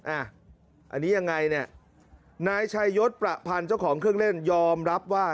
อันนี้ยังไงเนี่ยนายชัยยศประพันธ์เจ้าของเครื่องเล่นยอมรับว่า